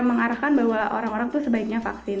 mengarahkan bahwa orang orang tuh sebaiknya vaksin